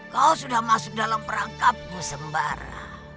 kau sudah masuk dalam perangkapku sembara